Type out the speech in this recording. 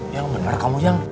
yang bener kamu yang